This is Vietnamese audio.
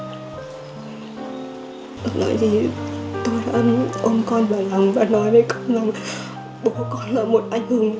sau đó thì tôi đã ôm con vào lòng và nói với con lòng bố con là một ảnh hưởng